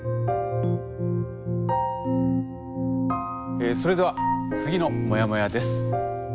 えそれでは次のモヤモヤです。